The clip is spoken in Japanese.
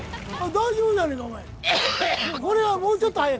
大丈夫じゃねえか、お前。